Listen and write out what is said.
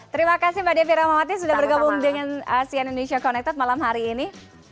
terima kasih mbak devi ramawati sudah bergabung dengan cn indonesia connected malam hari ini